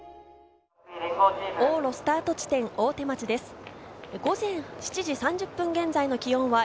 往路スタート地点、大手町です。